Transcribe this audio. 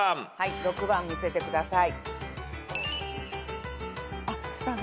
６番見せてください。